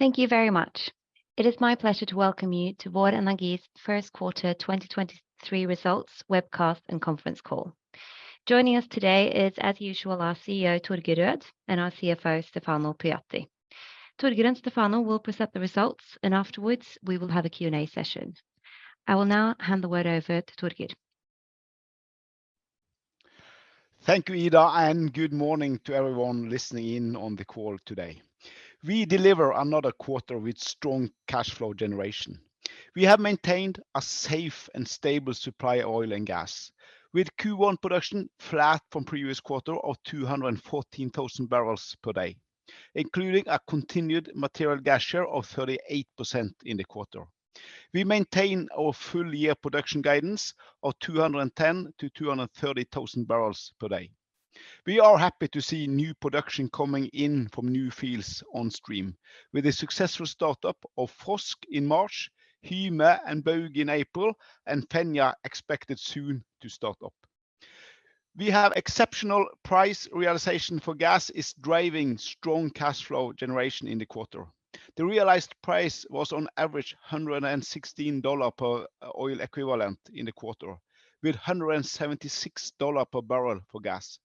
Thank you very much. It is my pleasure to welcome you to Vår Energi First Quarter 2023 Results Webcast and Conference Call. Joining us today is, as usual, our CEO, Torger Rød, and our CFO, Stefano Pujatti. Torger and Stefano will present the results, and afterwards we will have a Q&A session. I will now hand the word over to Torger. Thank you, Ida. Good morning to everyone listening in on the call today. We deliver another quarter with strong cash flow generation. We have maintained a safe and stable supply of oil and gas, with Q1 production flat from previous quarter of 214,000 barrels per day, including a continued material gas share of 38% in the quarter. We maintain our full year production guidance of 210,000-230,000 barrels per day. We are happy to see new production coming in from new fields on stream, with a successful start-up of Frosk in March, Hyme and Bauge in April, and Fenja expected soon to start up. We have exceptional price realization for gas is driving strong cash flow generation in the quarter. The realized price was on average $116 per oil equivalent in the quarter, with $176 per barrel for gas,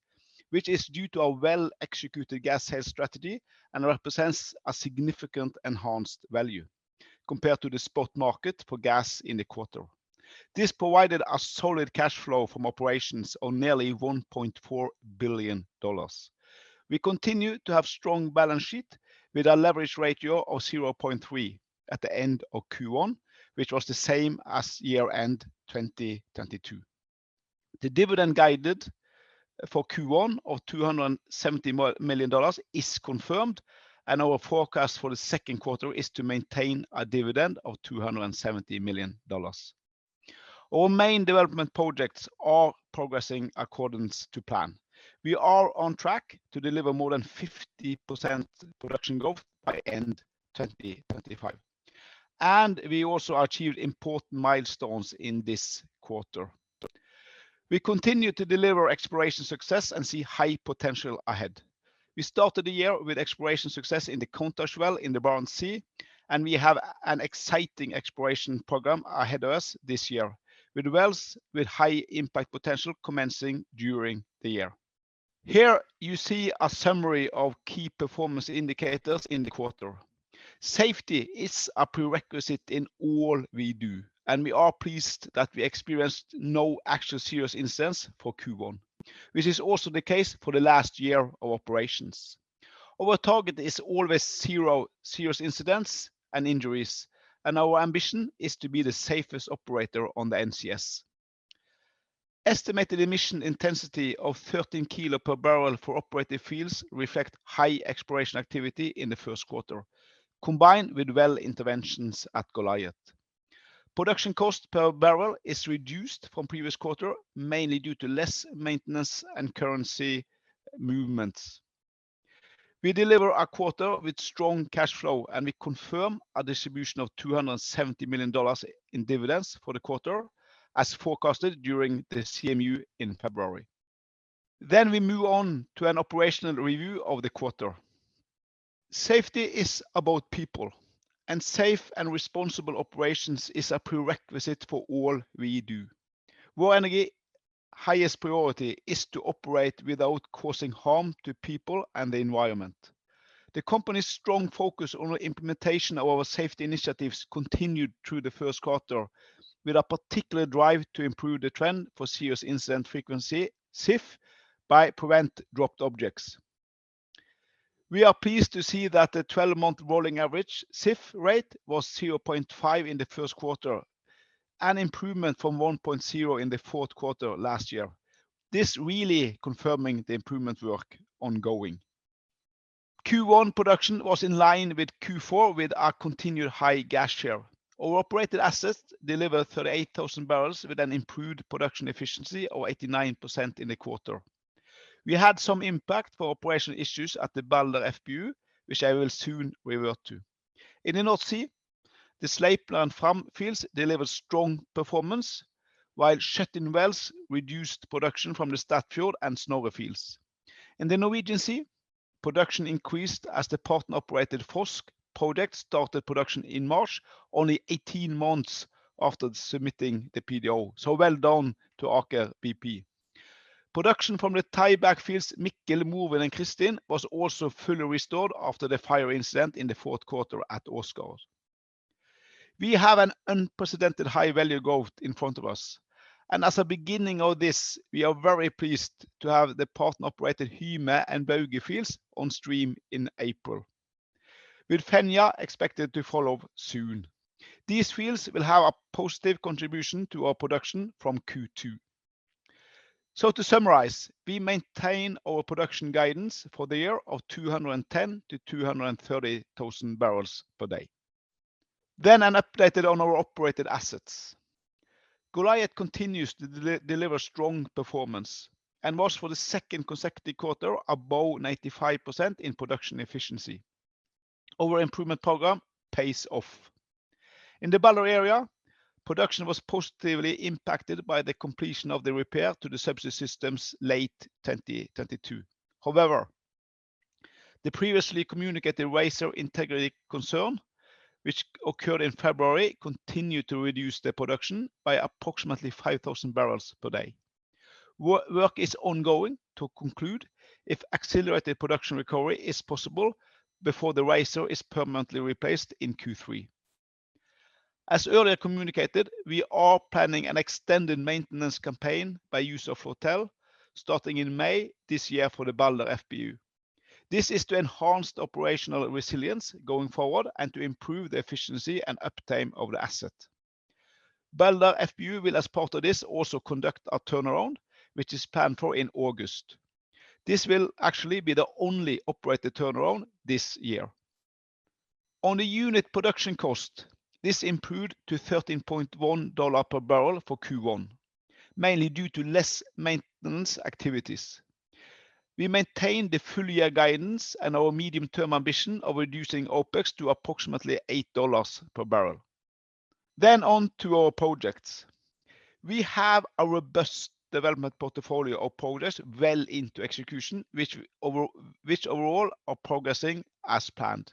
which is due to a well-executed gas sales strategy and represents a significant enhanced value compared to the spot market for gas in the quarter. This provided a solid cash flow from operations of nearly $1.4 billion. We continue to have strong balance sheet with a leverage ratio of 0.3x at the end of Q1, which was the same as year-end 2022. The dividend guided for Q1 of $270 million is confirmed, Our forecast for the second quarter is to maintain a dividend of $270 million. Our main development projects are progressing accordance to plan. We are on track to deliver more than 50% production growth by end 2025. We also achieved important milestones in this quarter. We continue to deliver exploration success and see high potential ahead. We started the year with exploration success in the Countach well in the Barents Sea. We have an exciting exploration program ahead of us this year, with wells with high impact potential commencing during the year. Here you see a summary of key performance indicators in the quarter. Safety is a prerequisite in all we do. We are pleased that we experienced no actual serious incidents for Q1, which is also the case for the last year of operations. Our target is always zero serious incidents and injuries. Our ambition is to be the safest operator on the NCS. Estimated emission intensity of 13 kilo per barrel for operated fields reflect high exploration activity in the first quarter, combined with well interventions at Goliat. Production cost per barrel is reduced from previous quarter, mainly due to less maintenance and currency movements. We deliver a quarter with strong cash flow, and we confirm a distribution of $270 million in dividends for the quarter, as forecasted during the CMU in February. We move on to an operational review of the quarter. Safety is about people, and safe and responsible operations is a prerequisite for all we do. Vår Energi's highest priority is to operate without causing harm to people and the environment. The company's strong focus on the implementation of our safety initiatives continued through the first quarter, with a particular drive to improve the trend for Serious Incident Frequency, SIF, by prevent dropped objects. We are pleased to see that the 12-month rolling average SIF rate was 0.5 in the first quarter, an improvement from 1.0 in the fourth quarter last year. This really confirming the improvement work ongoing. Q1 production was in line with Q4, with a continued high gas share. Our operated assets delivered 38,000 barrels with an improved production efficiency of 89% in the quarter. We had some impact for operational issues at the Balder FPU, which I will soon revert to. In the North Sea, the Sleipner and Fram fields delivered strong performance, while shutting wells reduced production from the Statfjord and Snorre fields. In the Norwegian Sea, production increased as the partner-operated Frosk project started production in March, only 18 months after submitting the PDO. Well done to Aker BP. Production from the tieback fields, Mikkel, Morvin, and Kristin, was also fully restored after the fire incident in the fourth quarter at Åsgard. We have an unprecedented high value growth in front of us. As a beginning of this, we are very pleased to have the partner-operated Hyme and Bauge fields on stream in April, with Fenja expected to follow soon. These fields will have a positive contribution to our production from Q2. To summarize, we maintain our production guidance for the year of 210,000-230,000 barrels per day. An updated on our operated assets. Goliat continues to deliver strong performance and was for the second consecutive quarter above 95% in production efficiency. Our improvement program pays off. In the Balder area, production was positively impacted by the completion of the repair to the subsea systems late 2022. The previously communicated riser integrity concern which occurred in February continued to reduce the production by approximately 5,000 barrels per day. Work is ongoing to conclude if accelerated production recovery is possible before the riser is permanently replaced in Q3. As earlier communicated, we are planning an extended maintenance campaign by use of hotel starting in May this year for the Balder FPU. This is to enhance the operational resilience going forward and to improve the efficiency and uptime of the asset. Balder FPU will as part of this also conduct a turnaround which is planned for in August. This will actually be the only operated turnaround this year. On the unit production cost, this improved to $13.1 per barrel for Q1, mainly due to less maintenance activities. We maintain the full year guidance and our medium-term ambition of reducing OpEx to approximately $8 per barrel. On to our projects. We have a robust development portfolio of projects well into execution which overall are progressing as planned.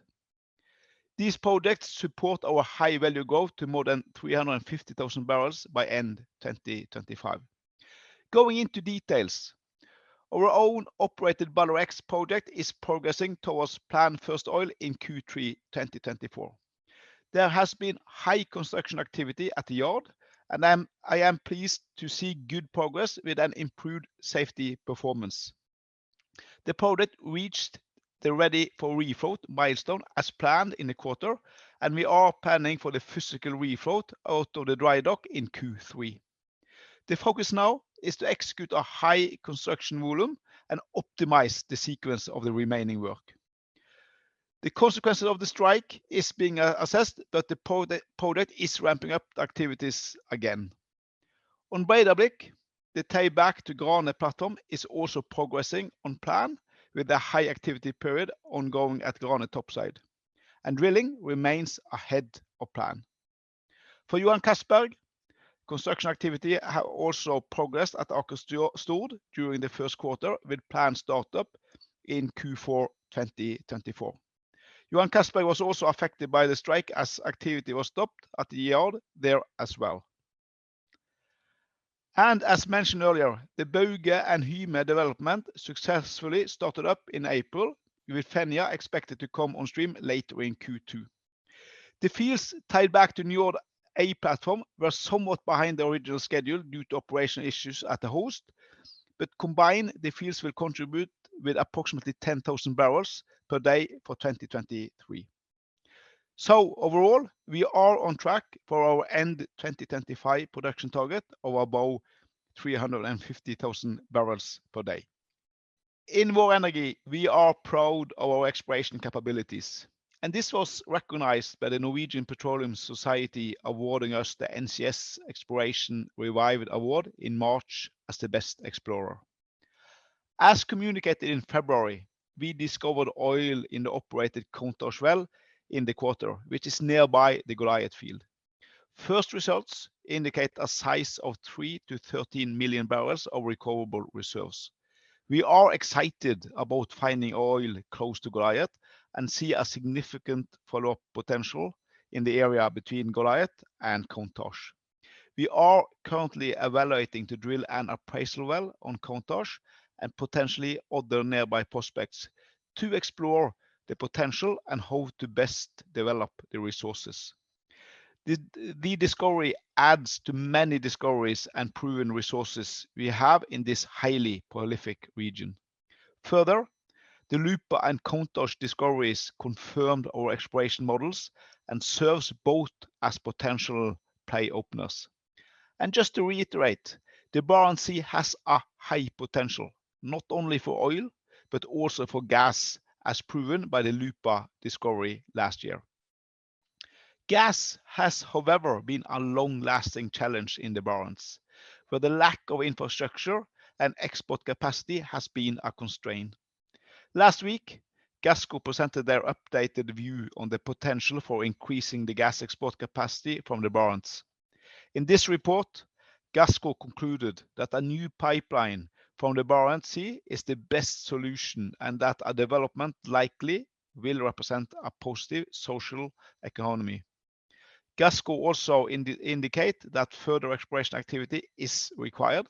These projects support our high value growth to more than 350,000 barrels by end 2025. Going into details, our own operated Balder X project is progressing towards planned first oil in Q3 2024. There has been high construction activity at the yard, and I am pleased to see good progress with an improved safety performance. The project reached the ready for refloat milestone as planned in the quarter, and we are planning for the physical refloat out of the dry dock in Q3. The focus now is to execute a high construction volume and optimize the sequence of the remaining work. The consequences of the strike is being assessed, the pro-project is ramping up the activities again. On Breidablikk, the tieback to Grane platform is also progressing on plan with the high activity period ongoing at Grane topside, drilling remains ahead of plan. For Johan Castberg, construction activity have also progressed at Aker Stord during the first quarter with planned start-up in Q4 2024. Johan Castberg was also affected by the strike as activity was stopped at the yard there as well. As mentioned earlier, the Bauge and Hyme development successfully started up in April, with Fenja expected to come on stream later in Q2. The fields tied back to Njord A platform were somewhat behind the original schedule due to operational issues at the host. Combined, the fields will contribute with approximately 10,000 barrels per day for 2023. Overall, we are on track for our end 2025 production target of above 350,000 barrels per day. In Vår Energi we are proud of our exploration capabilities, and this was recognized by the Norwegian Petroleum Society awarding us the NCS Exploration Revival Award in March as the best explorer. As communicated in February, we discovered oil in the operated Countach well in the quarter, which is nearby the Goliat field. First results indicate a size of 3 million-13 million barrels of recoverable reserves. We are excited about finding oil close to Goliat and see a significant follow-up potential in the area between Goliat and Countach. We are currently evaluating to drill an appraisal well on Countach and potentially other nearby prospects to explore the potential and how to best develop the resources. The discovery adds to many discoveries and proven resources we have in this highly prolific region. Further, the Lupa and Countach discoveries confirmed our exploration models and serves both as potential play openers. And just to reiterate, the Barents Sea has a high potential not only for oil, but also for gas, as proven by the Lupa discovery last year. Gas has, however, been a long-lasting challenge in the Barents, where the lack of infrastructure and export capacity has been a constraint. Last week, Gassco presented their updated view on the potential for increasing the gas export capacity from the Barents. In this report, Gassco concluded that a new pipeline from the Barents Sea is the best solution and that a development likely will represent a positive social economy. Gassco also indicate that further exploration activity is required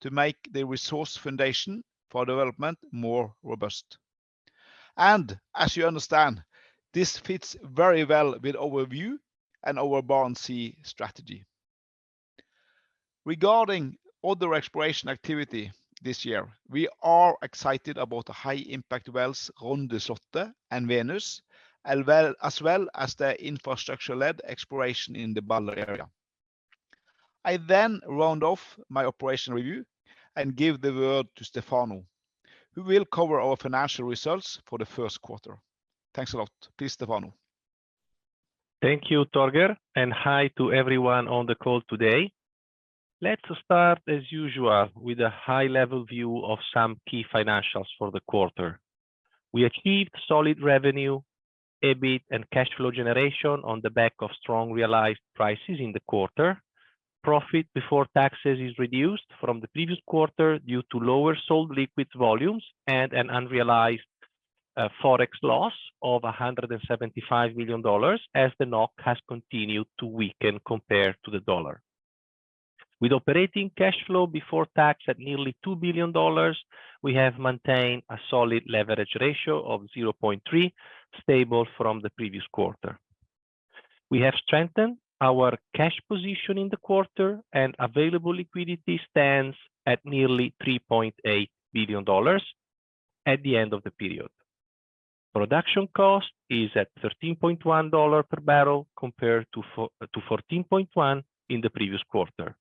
to make the resource foundation for development more robust. As you understand, this fits very well with our view and our Barents Sea strategy. Regarding other exploration activity this year, we are excited about the high impact wells Rondeslottet and Venus, as well as the infrastructure-led exploration in the Balder area. I round off my operational review and give the word to Stefano, who will cover our financial results for the first quarter. Thanks a lot. Please, Stefano. Thank you, Torger. Hi to everyone on the call today. Let's start as usual with a high-level view of some key financials for the quarter. We achieved solid revenue, EBIT, and cash flow generation on the back of strong realized prices in the quarter. Profit before taxes is reduced from the previous quarter due to lower sold liquids volumes, an unrealized Forex loss of $175 million as the NOK has continued to weaken compared to the dollar. With operating cash flow before tax at nearly $2 billion, we have maintained a solid leverage ratio of 0.3, stable from the previous quarter. We have strengthened our cash position in the quarter, available liquidity stands at nearly $3.8 billion at the end of the period. Production cost is at $13.1 per barrel compared to. to 14.1 in the previous quarter.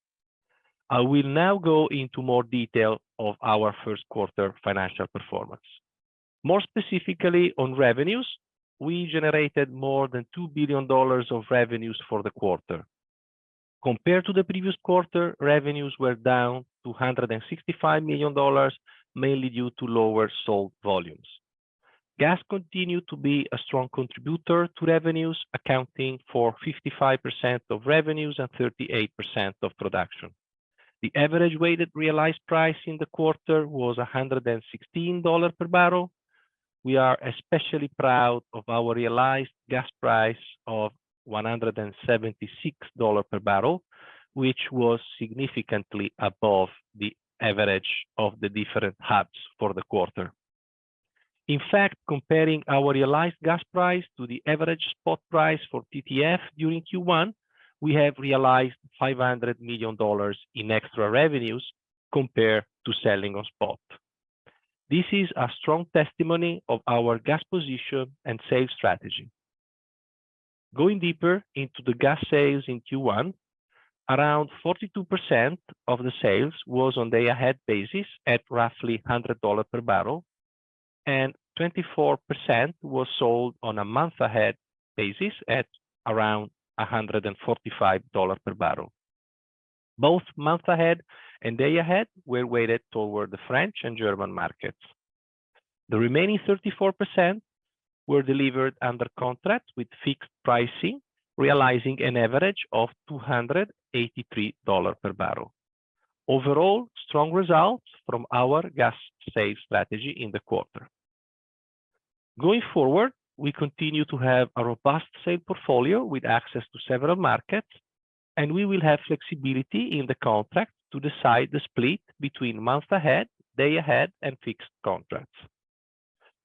I will now go into more detail of our first quarter financial performance. More specifically on revenues, we generated more than $2 billion of revenues for the quarter. Compared to the previous quarter, revenues were down $265 million, mainly due to lower sold volumes. Gas continued to be a strong contributor to revenues, accounting for 55% of revenues and 38% of production. The average weighted realized price in the quarter was $116 per barrel. We are especially proud of our realized gas price of $176 per barrel, which was significantly above the average of the different hubs for the quarter. In fact, comparing our realized gas price to the average spot price for TTF during Q1, we have realized $500 million in extra revenues compared to selling on spot. This is a strong testimony of our gas position and sales strategy. Going deeper into the gas sales in Q1, around 42% of the sales was on day ahead basis at roughly $100 per barrel, and 24% was sold on a month ahead basis at around $145 per barrel. Both month ahead and day ahead were weighted toward the French and German markets. The remaining 34% were delivered under contract with fixed pricing, realizing an average of $283 per barrel. Overall, strong results from our gas sales strategy in the quarter. Going forward, we continue to have a robust sales portfolio with access to several markets, and we will have flexibility in the contract to decide the split between month ahead, day ahead, and fixed contracts.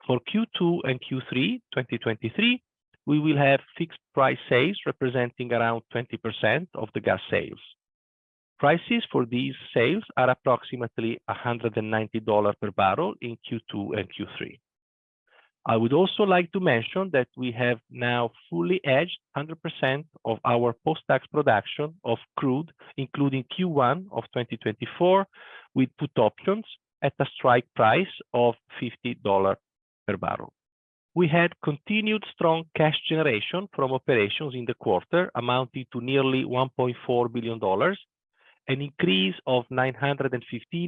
For Q2 and Q3 2023, we will have fixed price sales representing around 20% of the gas sales. Prices for these sales are approximately $190 per barrel in Q2 and Q3. I would also like to mention that we have now fully hedged 100% of our post-tax production of crude, including Q1 of 2024, with put options at a strike price of $50 per barrel. We had continued strong cash generation from operations in the quarter, amounting to nearly $1.4 billion, an increase of $950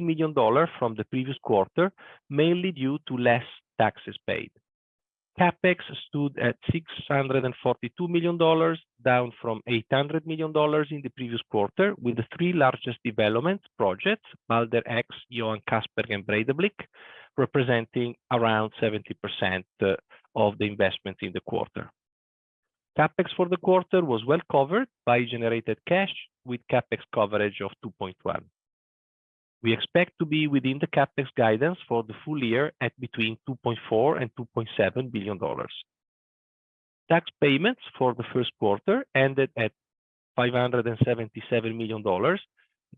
million from the previous quarter, mainly due to less taxes paid. CapEx stood at $642 million, down from $800 million in the previous quarter, with the three largest development projects, Balder X, Johan Castberg, and Breidablikk, representing around 70% of the investments in the quarter. CapEx for the quarter was well covered by generated cash, with CapEx coverage of 2.1. We expect to be within the CapEx guidance for the full year at between $2.4 billion and $2.7 billion. Tax payments for the first quarter ended at $577 million,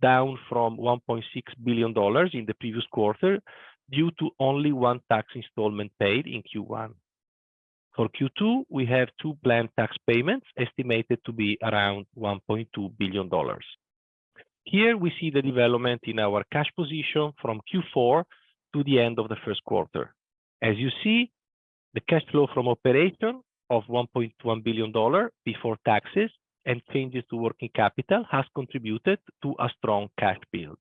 down from $1.6 billion in the previous quarter due to only one tax installment paid in Q1. For Q2, we have two planned tax payments, estimated to be around $1.2 billion. Here, we see the development in our cash position from Q4 to the end of the first quarter. As you see, the cash flow from operation of $1.1 billion before taxes and changes to working capital has contributed to a strong cash build.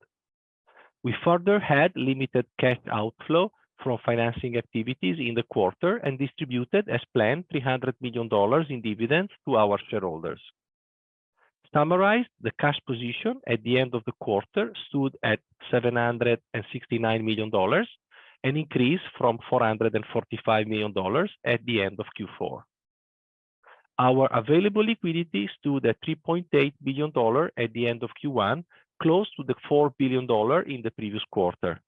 We further had limited cash outflow from financing activities in the quarter, and distributed as planned $300 million in dividends to our shareholders. Summarized, the cash position at the end of the quarter stood at $769 million, an increase from $445 million at the end of Q4. Our available liquidity stood at $3.8 billion at the end of Q1, close to the $4 billion in the previous quarter.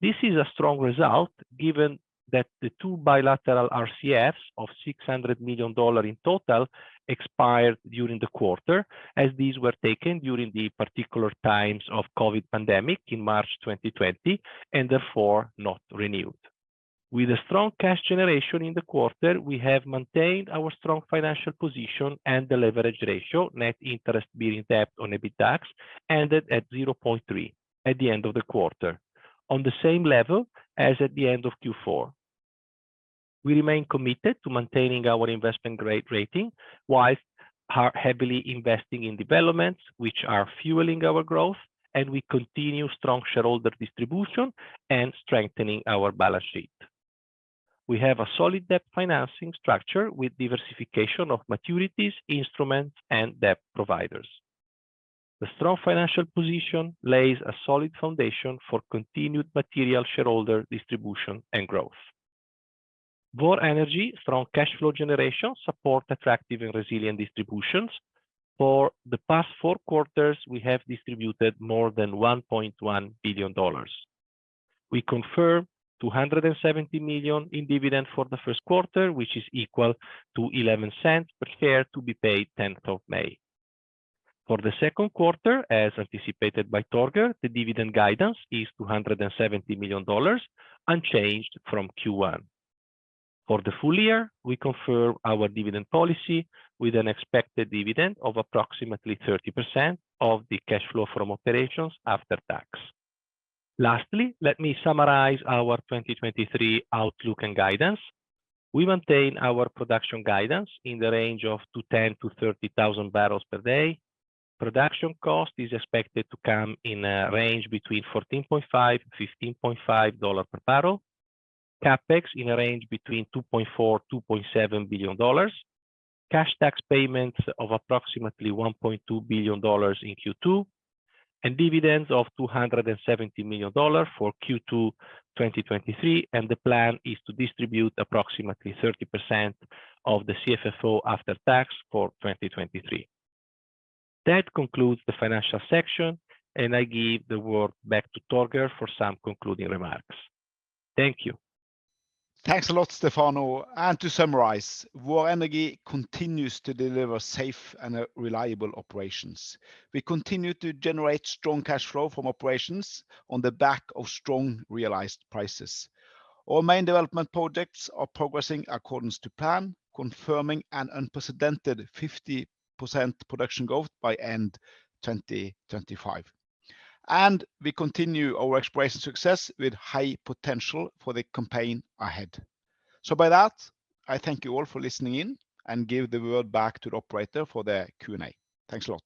This is a strong result given that the two bilateral RCFs of $600 million in total expired during the quarter, as these were taken during the particular times of COVID pandemic in March 2020, and therefore not renewed. With a strong cash generation in the quarter, we have maintained our strong financial position and the leverage ratio. Net interest bearing debt on EBITDAX ended at 0.3 at the end of the quarter, on the same level as at the end of Q4. We remain committed to maintaining our investment grade rating, whilst heavily investing in developments which are fueling our growth, and we continue strong shareholder distribution and strengthening our balance sheet. We have a solid debt financing structure with diversification of maturities, instruments, and debt providers. The strong financial position lays a solid foundation for continued material shareholder distribution and growth. Vår Energi strong cash flow generation support attractive and resilient distributions. For the past four quarters, we have distributed more than $1.1 billion. We confirm $270 million in dividend for the first quarter, which is equal to $0.11 per share to be paid May 10th. For the second quarter, as anticipated by Torger, the dividend guidance is $270 million, unchanged from Q1. For the full year, we confirm our dividend policy with an expected dividend of approximately 30% of the cash flow from operations after tax. Lastly, let me summarize our 2023 outlook and guidance. We maintain our production guidance in the range of 210,000-230,000 barrels per day. Production cost is expected to come in a range between $14.5-$15.5 per barrel. CapEx in a range between $2.4 billion-$2.7 billion. Cash tax payments of approximately $1.2 billion in Q2. Dividends of $270 million for Q2 2023, and the plan is to distribute approximately 30% of the CFFO after tax for 2023. That concludes the financial section, and I give the word back to Torger for some concluding remarks. Thank you. Thanks a lot, Stefano. To summarize, Vår Energi continues to deliver safe and reliable operations. We continue to generate strong cash flow from operations on the back of strong realized prices. Our main development projects are progressing accordance to plan, confirming an unprecedented 50% production growth by end 2025. We continue our exploration success with high potential for the campaign ahead. By that, I thank you all for listening in and give the word back to the operator for the Q&A. Thanks a lot.